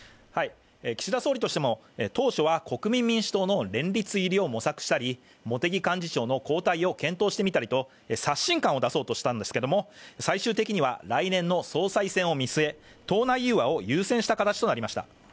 岸田総理としても当初は国民民主党の連立入りを模索したり茂木幹事長の交代を検討してみたりと刷新感を出そうとしたんですが最終的には、来年の総裁選を見据え党内融和を優先した形となりました。